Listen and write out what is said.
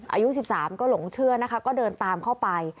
อายุ๑๓ก็หลงเชื่อนะคะก็เดินตามเข้าไป